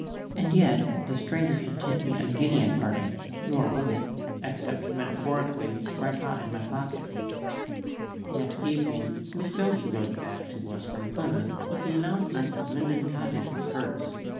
And yet the stranger had tipped me a guinea at parting, nor was it (except metaphorically) red hot in my pocket. Next evening Miss Belcher rode back to us from Plymouth with the announcement that Minden Cottage was hers.